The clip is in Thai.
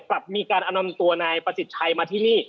กลับมีการเอานำตัวนายประสิทธิ์ชัยมาที่นี่